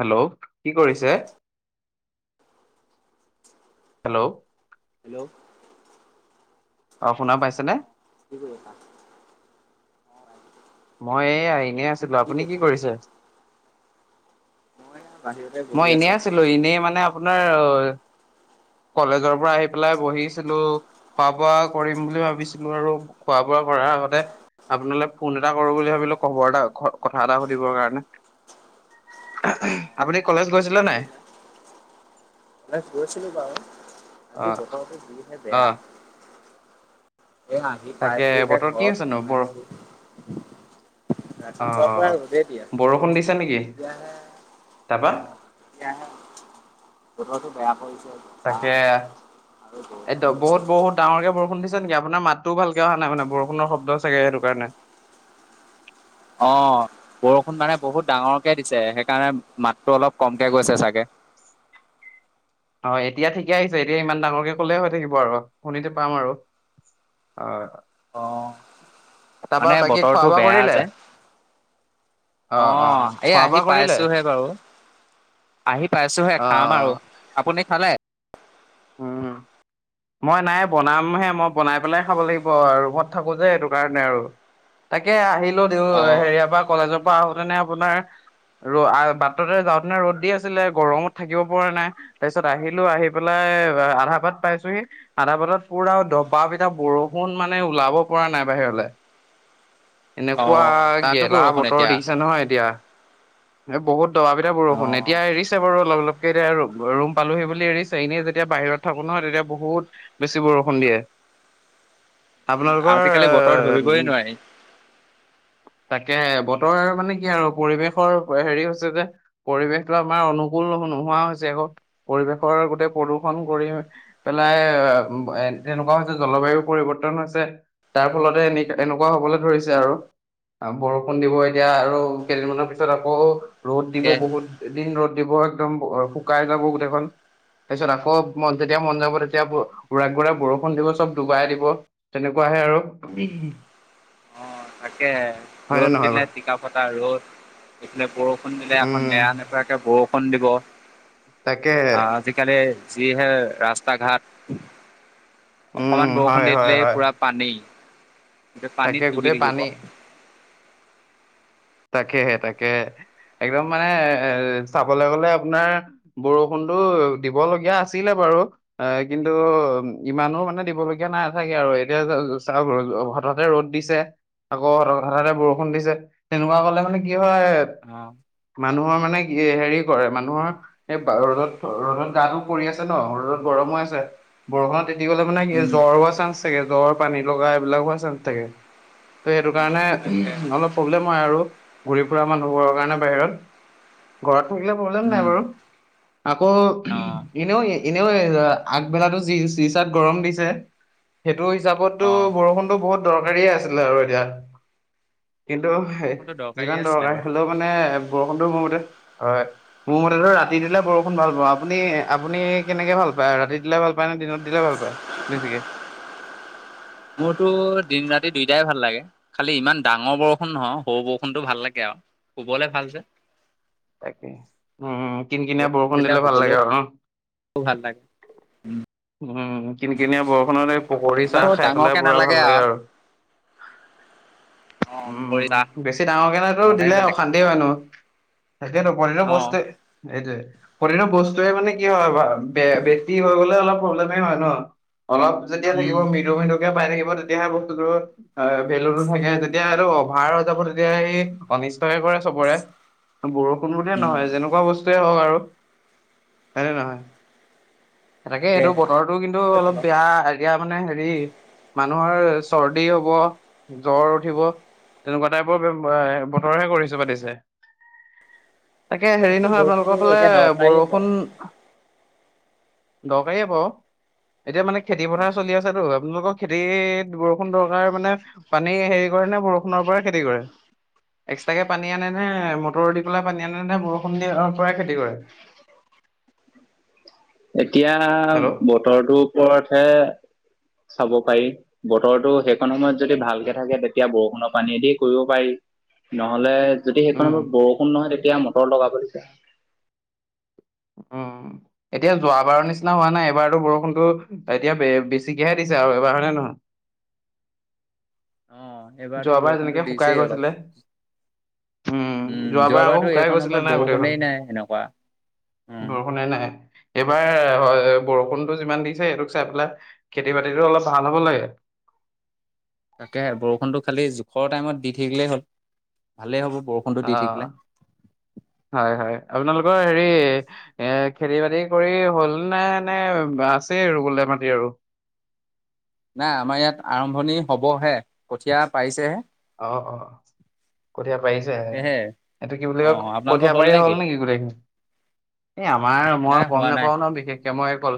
Hello, কি কৰিছে? Hello, hello, অ, শুনা পাইছেনে? কব [unintelligible] মই এইয়া, এনে আছিলো। আপুনি কি কৰিছে? বাহিৰতে বহি মই আছো। এনেই আছিলো, এনেই মানে আপোনাৰ কলেজৰ পৰা আহি পেলাই বহিছিলো, খোৱা বোৱা কৰিম বুলি ভাবিছিলো আৰু খোৱা বোৱা কৰা আগতে। আপোনালৈ ফোন এটা কৰো বুলি ভাবিলো খবৰ এটা কথা এটা সুধিবৰ কাৰণে আপুনি কলেজ গৈছিলে নিজেই নাই? কৰিলে। গৈছিলো বাৰু আজি অ' প্ৰথমতে যিহে বেয়া অ' এ আহি তাকে পাইছোহে বতৰ কি ঘৰত সোমাইছো ৰাতিপুৱাৰ পৰা আহ অ, ৰ'দে দি আছিলে। বৰষুণ দিছে নেকি? এতিয়াহে তাবা? কথাটো বেয়া কৰি। তাকে বৰষুণ একদম দিছে। বহুত - বহুত ডাঙৰকে বৰষুণ দিছে নেকি আ আপোনাৰ মাতটোও ভালকে অহা নাই মানে বৰষুণৰ শব্দ চাগে সেইটো কাৰণে। অ', বৰষুণ মানে বহুত ডাঙৰকে দিছে সেইকাৰণে মাতটো অলপ কমকে গৈছে চাগে। [inaudible] হয় এতিয়া ঠিকে আহিছে এতিয়া ইমান ডাঙৰকে কলে হৈ থাকিব আৰু শুনিতো পাম আৰু অ', অ তাৰপা মানে বাকী খোৱা বতৰটো বোৱা বেয়া কৰিলে আছে। অ, এই খোৱা বোৱা আহি কৰিলে পাইছোহে বাৰু আহি পাইছোহে অ খাম আৰু আপুনি খালে? উম, মই নাই বনামহে মই বনাই পেলাই খাব লাগিব ৰুমত থাকো যে এইটো কাৰণে আৰু তাকে আহিলো দিও অ হেৰিয়াৰ পৰা কলেজৰ পৰা আহোতেনে আপোনাৰ ৰ বাটতে যাওতেনে ৰ'দ দি আছিলে গৰমত থাকিব পৰা নাই তাৰপিছত আহিলো আহি পেলাই আধাৰ পাট পাইছোহি আধা বদাত পুৰা দবািটা বৰষুণ মানে ওলাব পৰা নাই বাহিৰলৈ- অ এনেকুৱা তাতো গেলা বৰষুণ বতৰ এতিয়া দেখিছে নহয় এতিয়া এই বহুত দব এিত অ বৰষুণ এতিয়া এৰিছে বাৰু অলপ - অপ এতিয়া ৰুম পালোঁহি বুলি এৰিছে, এনেই যেতিয়া বাহিৰত থাকোঁ নহয় তেতিয়া বহুত বেছি বৰষুণ দিয়ে। আপোনালোকৰ আজিকালি বতৰ ধৰিবই উ', নোৱাৰি তাকে তাৰমানে কি আৰু পৰিৱেশৰ হেৰি হৈছে যে, পৰিৱেশটো আমাৰ অনুকুল নোহোৱা হৈছে পৰিৱেশৰ গোটেই প্ৰদূষণ কৰি পেলাই এ তেনেকুৱা হৈছে জলবায়ু পৰিৱৰ্তন হৈছে, তাৰ ফলতে এনে এনেকুৱা হ'বলৈ ধৰিছে আৰু বৰষুণ দিব এতিয়া আৰু কেইদিনমানৰ পিছত আকৌ ৰ'দ দিব তাকে বহুত দিন ৰ'দ দিব একদম শুকাই যাব গোটেইখন, তাৰপিছত আকৌ মন যেতিয়া মন যাব তেতিয়া বৰ উৰাই ঘূৰাই বৰষুণ দিব চব ডুবাই দিব, তেনেকুৱাহে আৰু অ তাকে হয়নে ৰ'দ নহয় দিলে বাৰু টিকা ফটা ৰ'দ এইফালে বৰষুণ দিলে আকৌ উম নেৰা নোপেৰাকে বৰষুণ ফল দিব, আ, তাকেহে আজিকালি যিহে ৰাস্তা ঘাট উম, অকমান বৰষুণ হয়, দি হয়, দিলেই হয়, পুৰা পানী এতিয়া তাকে পানীত ডুবি গোটেই থাকিম পানী, অ'। তাকেহে তাকে একদম মানে এ চাবলৈ গ'লে আপোনাৰ বৰষুণটো দিবলগীয়া আছিলে বাৰু কিন্তু ইমানো মানে দিবলগীয়া নাথাকে আৰু এতিয়া চা হঠাতে ৰ'দ দিছে, আকৌ হঠাতে বৰষুণ দিছে তেনেকুৱা হ'লে মানে কি হয় মানুহৰ মানে কি হেৰি কৰে মানুহৰ এই ৰ'দত, ৰ'দত গাটো কৰি আছে ন ৰ'দত গৰমো আছে বৰষুণত তিতি গ'লে মানে কি উম জ্বৰ হোৱা চান্স থাকে, জ্বৰ পানীলগা এইবিলাক হোৱা চান্স থাকে। ত' সেইটো কাৰণে তাকে অলপ প্ৰব্লেম হয় আৰু ঘূৰি ফুৰা মানুহবোৰৰ কাৰণে বাহিৰত ঘৰত থাকিলে প্ৰব্লেম নাই উম বাৰু, আকৌ অ এনেও এনেও আগবেলাটো যি চিচাত গৰম দিছে, সেই এইটো হিচাপততো, অ বৰষুণতো বহুত দৰকাৰী আছিলে, আৰু এতিয়া, কিন্তু বৰষুণটো দৰকাৰী যিমান আছিলে দৰকাৰ, বাৰু হ'লেও মানে, বৰষুণ মোৰ মতে, হয়, মোৰ মতেটো ৰাতি দিলে বৰষুণ ভাল পাওঁ, আপুনি, আপুনি কেনেকে ভাল পায়? ৰাতি দিলে ভাল পায় নে, দিনত দিলে ভাল পায়, বেছিকে। মোৰতো দিন ৰাতি দুইটাই ভাল লাগে, খালি ইমান ডাঙৰ বৰষুণ নহয়, সৰু বৰষুণতো ভাল লাগে আৰু। অহ', শুবলে ভাল যে। [inaudible] তাকে, উম, কিনকিনিয়া বৰষুণ দিলে ভাল লাগে আৰু ভাল ন। লাগে উম, কিনকিনিয়া বৰষুণত এই পকৰী চাহ ইমানো খাই পেলাই ডাঙৰকে পুৰা নালাগে ভাল লাগে আৰু। অ পৰি উম, বেছি ডাঙৰ কেনেতো মজাই দিলে, বেলেগ অশান্তি হয় ন। তাকে নকৰিলে অ বস্তে, সেইটোৱে। প্ৰতিটো বস্তুৱেই মানে কি হয়, বা বেছি হৈ গ'লে অলপ প্ৰব্লেমেই হয় ন। অলপ যেতিয়া থাকিব উম মৃদু মৃদুকে পাই থাকিব তেতিয়াহে বস্তুটোৰ ভেলুটো থাকে এতিয়া, এইটো অভাৰ হৈ যাব তেতিয়াহে সি, অনিষ্টহে কৰে চবৰে। বৰষুণ বুলিয়ে উম নহয়, যেনেকুৱা বস্তুৱেই হওঁক আৰু, তেনে নহয়। তাকে এইটো কৈছে বতৰটো কিন্তু, বাৰু বেয়া এতিয়া মানে হেৰি, মানুহৰ চৰ্দি হ'ব, জ্বৰ উঠিব, তেনেকুৱা টাইপৰ বতৰহে কৰিছে, পাতিছে। তাকে হেৰি তথাপিও নহয়, বৰষুণটো আপোনালোকৰ ফালে এতিয়া দৰকাৰীয়ে বৰষুণ বাৰু দৰকাৰী আকৌ, এতিয়া মানে খেতি পথাৰ চলি আছেতো আপোনালোকৰ খেতিত, বৰষুণ দৰকাৰ মানে পানী, হেৰি কৰে নে বৰষুণৰ পৰা খেতি কৰে। এক্সট্ৰাকে পানী আনে নে, মটৰৰ দি পেলায় পানী আনে নে, বৰষুণ দি পৰাই খেতি কৰে। [inaudible] এতিয়া, হেল্ল' বতৰটোৰ ওপৰতহে চাব পাৰি। বতৰো সেইকন সময়ত যদি, ভালকে থাকে তেতিয়া বৰষুণত। পানী দিয়ে কৰিব পাৰি। নহ'লে, যদি সেইকন উম সময়ত বৰষুণ নহয় তেতিয়া। এতিয়া, মটৰ লগাব দিছে। উম, এতিয়া যোৱাবাৰৰ নিচিনা হোৱা নাই এবাৰতো বৰষুণতো, এতিয়া বে-বেছিকে হে দিছে। এবাৰ হয়নে নহয়। অ' এইবাৰতো যোৱাবাৰ বৰষুণতো যেনেকে, শুকাই দিছেই অলপ গৈছিলে। উম, যোৱাবাৰ আকৌ, যোৱাবাৰতো শুকাই এইকণ গৈছিলে সময়ত নাই বৰষুণেই গোটেইখন। নাই এনেকুৱা। উম বৰষুণে নাই। এইবাৰ, হয় বৰষুণতটো যিমান দিছে সেইটোক চাই পেলাই, খেতি বাতিটো অলপ ভাল হ'ব লাগে। [unintelligible] তাকেহে, বৰষুণটো খালি জোখৰ টাইমত দি থাকিলেই হ'ল। ভালেই হ'ব। বৰষুণতো দি থাকিলে। অহ', হয়, হয়। আপোনালোকৰ হেৰি, এ খেতি-বাতি কৰি হ'ল নাই নে আছেই ৰুবলে মাটি আৰু। নাই। আমাৰ ইয়াত আৰম্ভণি হ'বহে কঠীয়া পাৰিছেহে। অ', অ', অ'। কঠীয়া পাৰিছে হে। তাকেহে এইটো কি বুলি কয়, অ' আপোনালোকৰ কঠীয়া পাৰি হ'ল নেকি? নিকি গোটেইখিনি। এ, আমাৰ মই নাই গম হোৱা নাই নেপাওঁ ন বিশেষক। মই কল,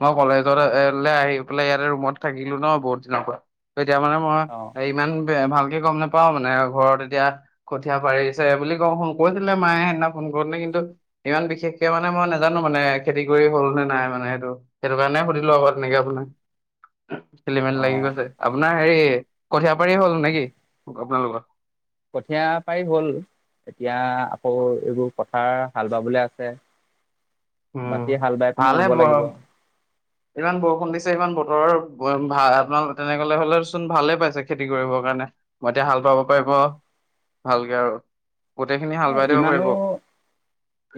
মই কলেজত এলে আহি পেলাই ইয়াতে ৰুমত থাকিলো ন, বহুত দিনৰ পৰা। তেতিয়া মানে মই, অ' ইমান বে ভাল। ভালকে গম নেপাওঁ মানে, ঘৰত এতিয়া কঠীয়া পাৰিছে বুলি কওঁ কইছিলে মায়ে সেইদিনা ফোন কৰিতে কিন্তু। ন্ত ইমান বিশেষকে মানে মই নাজানো মানে খেতি কৰি হ'ল নে নাই মানে সেইটো, সেইটো কাৰণে সুধিলো আক। তেনেকে আপোনাৰ। খেলি মেলি লাগি অ' গৈছে। আপোনাৰ হেৰি কঠীয়া পাৰি হ'ল নিকি, আপোনালোকৰ। কঠীয়া পাৰি হ'ল। এতিয়া, আকৌ এইবোৰ পথাৰ। হাল বাবলে আছে উম বাকী হাল বাই পিনি ৰুব ভালহে লাগিব ইমান বৰষুণ দিছে ইমান বতৰৰ ভা আপোনাল তেনেকলে হলেচোন ভালে পাইছে খেতি কৰিব কাৰণে হেকাণে মই এতিয়া হাল বাব পাৰিব ভালকে আৰু গোটেইখিনি এ হাল বাই দিব ইমানো পাৰিব।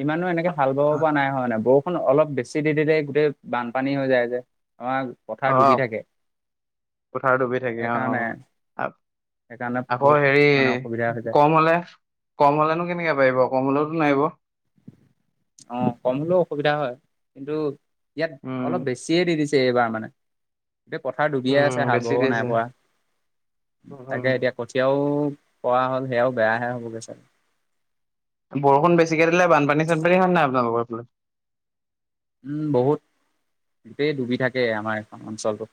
ইমানো এনেকে হাল বাব পৰা নাই হোৱা মানে বৰষ খুন অলপ বেছি দি দিলে গোটেই বানপানী হৈ যায় যে আমাৰ পথাৰ অ ডুবি থাকে পথাৰ ডুবি থাকে অ সেইকাৰণে অ সেইকাৰণে আকৌ বহুত হেৰি মানে অসুবিধা হৈ যায় কম হলে কম হলেনো কেনেকে পাৰিব কম হলেতো নোৱাৰিব অ কম হলেও অসুবিধা হয় কিন্তু ইয়াত উম অলপ বেছিয়ে দি দিছে এইবাৰ মানে এই পথাৰ ডুবিয়ে উম আছে হাল বেছি বাবও নাই দিছে। পৰা উম তাকে এতিয়া কঠীয়াও পৱা হ'ল সেয়াও বেয়াহে হ'বগৈ চাগে বৰষুণ বেছিকে দিলে বানপানী চানপানী হয় নাই আপোনালোকৰফালে উম বহুত গোটেই ডুবি থাকে আমাৰ এখন অঞ্চলটো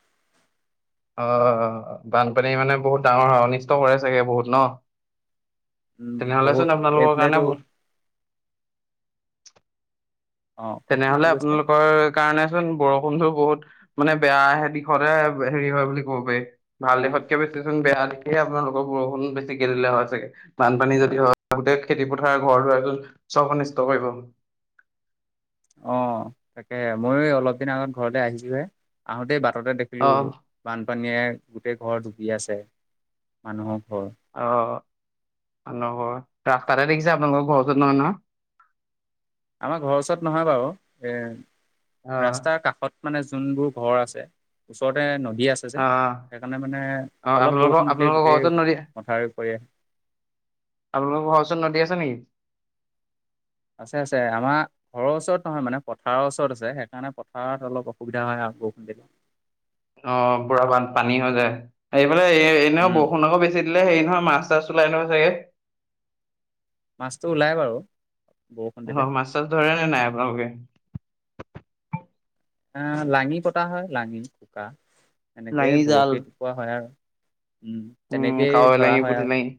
অ বানপানী মানে বহুত ডাঙৰ হয় অনিষ্ট কৰে চাগে বহুত ন উম তেনেহলেচোন বহুত আপোনালোকৰ কাৰণে এইফালেতো বহুত অ কওকচোন কি তেনেহলে কৈছিলে আপোনালোকৰ কাৰণে চোন বৰষুণটো বহুত মানে বেয়াহে দিশতে হেৰি হয় বুলি ক'ব পাৰি ভাল দিশতকে বেছিচোন বেয়া দিশে আপোনালোকক বৰষুণ বেছিকে দিলে হয় চাগে বানপানী যদি হয় গোটেই খেতি পথাৰ ঘৰ দুৱাৰ চব অনিষ্ট কৰে কে ল অ তাকে মইয়ো অলপ দিনৰ আগত ঘৰতে আহিছোহে আহোতেই বাট বাটতে দেখিলোঁ বানপানীয়ে গোটেই ঘৰ ডুবি আছে মানুহক অ আন ঘৰ ৰাস্তাতে দেখিছে আপোনালোকৰ ঘৰত ওচৰত নহয় নহয় আমাৰ ঘৰৰ ওচৰত নহয় বাৰু এ অ ৰাস্তাৰ কাষত মানে যোনবোৰ ঘৰ আছে ওচৰতে ন' দি আছে যে সেইকাৰণে মানে অ অলপ আপোনালোকৰ বৰষুণ দিলেই আপোনালোকৰ ঘৰৰ গোটেই ওচৰত নদী পথাৰ কৰি আহে। আপোনালোকৰ ঘৰচৰ নদী আছে নেকি আছে আছে আমাৰ ঘৰৰ ওচৰত নহয় মানে পথাৰৰ ওচৰত আছে সেইকাৰণে পথাৰত অলপ অসুবিধা হয় আৰু [inaudible] অ' বুঢ়া বান পানী হৈ যায় এইফালে এ এনে উম বৰষুণ আকৌ বেছি হিলে হেৰি নহয় মাছ তাছ ওলাই নহয় চাগে মাছটো ওলাই বাৰু বৰষুণ অ' দিলে মাছ চাছ ধৰে নে নাই আপোনালোকে এ লাঙি পতা হয় লাঙি কোকা লাঙি এনেকেই জাল। বৰশী পোৱা হয় আৰু উম তেনেকেই কাঐ ধৰা লাগি হয় আৰু। [unintelligible]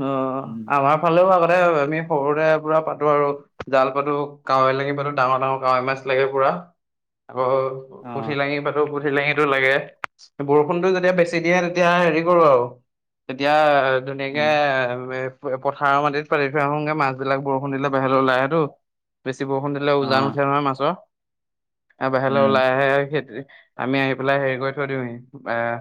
অ' উম। আমাৰ ফালেও আগ তাতে আমি সৰুতে পুৰা পাতো আৰু জাল পাতো কাৱৈ লাগি পাতো ডাঙৰ ডাঙৰ কাৱৈ মাছ লাগে পুৰা আকৌ অ'। খুঠি লাঙি পাতো প হিলেঙীটো লাগে বৰষুণতো যেতিয়া বেছি দিয়ে তেতিয়া হেৰি কৰো আৰু। এতিয়া উম। ধুনীয়াকে পথাৰৰ মাটিত পাতি থৈ আহোনগে মাছ বিলাক বৰষুণ দে বোহিৰলৈ ওলাই আহেত ব বৰষুণ দিলেজান অ', উঠে নহয় মাছৰ আৰু বাহিৰলৈ উম, ওলাই আহেই আমি আহি পেলাই হেৰি কৰি থৈ দিওঁহি আহ।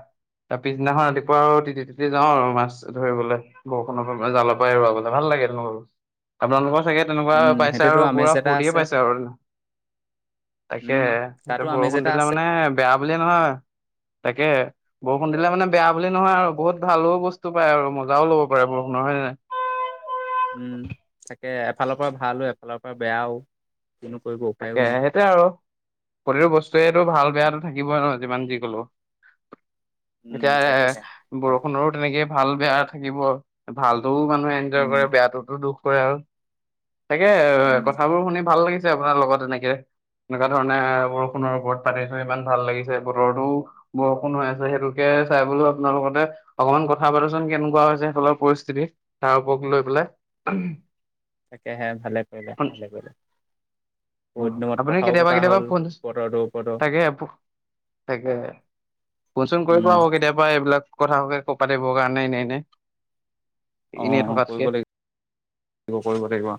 তাৰ পিছদিনাখন ৰাতিপুৱা আৰু তি তি যাওঁ আৰু মাছ ধৰিবলৈ। বৰষুণৰ পৰা জালৰ পৰা এেৰুৱ গ ভাল লাগে তেনেকুৱা আপোনালোকৰ। থাকে তেনেকুৱা উম, পাইছে সেইটোতো আৰু আমেজ পুৰা এটা ফুৰ্তিয়ে আছে। পাইছে আৰু। তাকে উম, এতিয়া তাতো আমেজ বৰষুণ এটা দিলে আছে। মানে বেয়া বুলিয়ে নহয় তাকে বৰষুণ দিলে মানে বেয়া বুলি নহয় আৰু বহুত ভালো বস্তু পায় আৰু মজাও ল'ব কৰে পুৰুষ নহয় উম তাকে এফালৰ পৰা ভালো এফালৰ পৰা বেয়াও কিনো কৰিব উপায়ো তাকে নাই। সেইটো আৰু প্ৰতিটো বস্তুয়েই টো ভাল- বেয়াটো থাকিবই নহয় যিমান যি ক'লে উম, এতিয়া এ তাকেহে ভাল বৰষুণৰো তেনেকে ভাল-বেয়া থাকিব ভালতটোও মানুহে এনজয় উম, কৰে, বেয়াটোতো দুখ কৰে আৰু তাকে এ উম, কথাবোৰ শুনি ভাল লাগিছে আপোনাৰ লগত এনেকে, এনেকুৱা ধৰণে অ', বৰষুণৰ ওপৰত পাতি ইমান ভাল লাগিছে বতৰতো বৰষুণ হৈ আছে সেইটোকে চাই বোলো আপোনাৰ লগতে অকনমান কথা কেনেকুৱা হৈছে সেইফালৰ পৰিস্থিতি তাৰ ওপৰত লৈ পেলাই? তাকেহে ভালে কৰিলে ভালে কৰিলে। বহুত দিনত আপুনি কথাও কেতিয়াবা পতা কেতিয়াবা হ'ল ফোন, বতৰটোৰ ওপৰতো তাকে তাকে ফোন-চোন কৰিব উম, আকৌ কেতিয়াবা এইবিলাক কথাকে ক' পাতিবৰ কাৰণে এনে এনে। অ এনেই -অ কৰিব লাগিব কৰিব লাগিব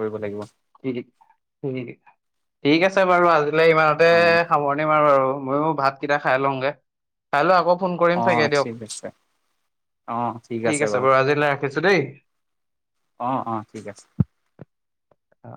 কৰিব লাগিব। ঠিক আছে বাৰু আজিলৈ ইমানতে অ'। সামৰণি মাৰো আৰু। ময়ো ভাত কেইটা খাই লওঁগে, খাই লৈ আকৌ ফোন কৰিম অ', চাগে দিয়ক। ঠিক আছে ঠিক আছে বাৰু আজিলৈ ৰাখিছোঁ দেই। অ -অ ঠিক আছে। অ'